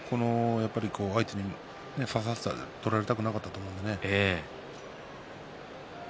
相手に取られたくなかったと思うのでね。